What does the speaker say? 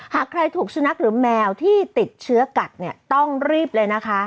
หากใครถูกสุนัขหรือแมวที่ติดเชื้อกัดเนี่ยต้องรีบเลยนะคะ